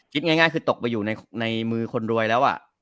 คิดง่ายคือตกไปอยู่ในมือคนรวยแล้ว